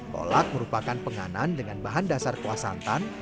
kolak merupakan penganan dengan bahan dasar kuah santan